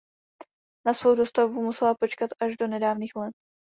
Na svou dostavbu musela počkat až do nedávných let.